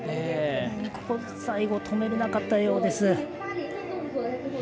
最後、とめれなかったようです。